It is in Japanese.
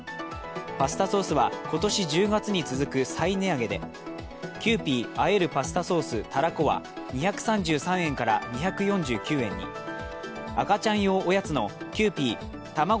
パスタソースは、今年１０月に続く再値上げでキユーピーあえるパスタソースたらこは２３３円から２４９円に、赤ちゃん用おやつのキユーピーたまご